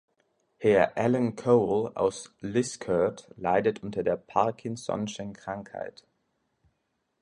Herr Alan Cole aus Liskeard leidet unter der Parkinsonschen Krankheit.